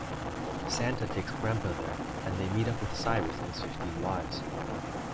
Santa takes Grampa there, and they meet up with Cyrus and his fifteen wives.